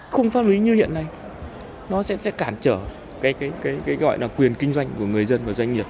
khung pháp lý như hiện nay nó sẽ cản trở cái gọi là quyền kinh doanh của người dân và doanh nghiệp